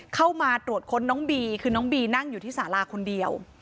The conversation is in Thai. เข้ามาตรวจค้นน้องบีคือน้องบีนั่งอยู่ที่สาราคนเดียว